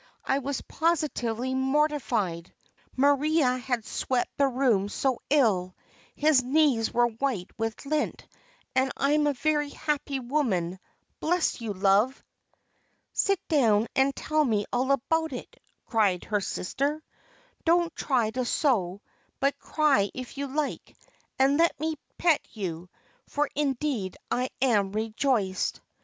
I was positively mortified; Maria had swept the room so ill, his knees were white with lint, and I'm a very happy woman, bless you, love!" "Sit down, and tell me all about it," cried her sister. "Don't try to sew, but cry if you like, and let me pet you, for indeed I am rejoiced."